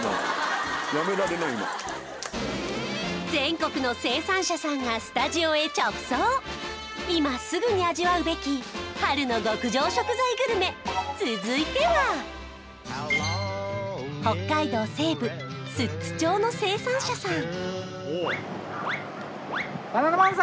全国の生産者さんがスタジオへ直送今すぐに味わうべき春の極上食材グルメ続いては北海道西部寿都町の生産者さん